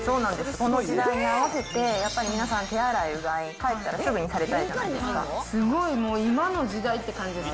この時代に合わせて、やっぱり皆さん、手洗い、うがい、帰ったらすぐにされたいじゃないですか。